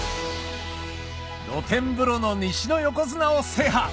露天風呂の西の横綱を制覇！